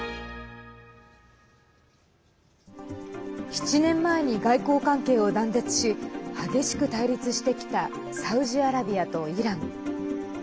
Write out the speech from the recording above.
７年前に外交関係を断絶し激しく対立してきたサウジアラビアとイラン。